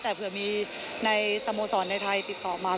แต่เผื่อมีในสโมสรในไทยติดต่อมา